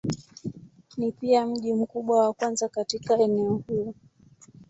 Ni pia mji mkubwa wa kwanza katika eneo huu.